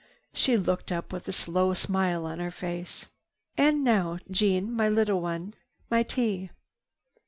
She looked up with a slow smile on her face. "And now, Jeannie, my little one, my tea."